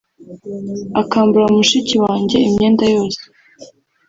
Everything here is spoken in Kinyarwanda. akambura mushiki wanjye imyenda yose